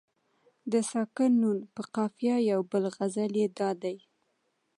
د ساکن نون په قافیه یو بل غزل یې دادی.